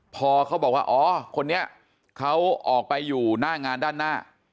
พอเขาบอกว่าอ๋อคนนี้เขาออกไปอยู่หน้างานด้านหน้า